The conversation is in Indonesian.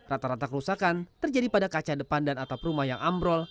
rata rata kerusakan terjadi pada kaca depan dan atap rumah yang ambrol